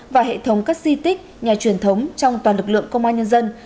và hệ thống các di tích nhà truyền thống trong toàn lực lượng công an nhân dân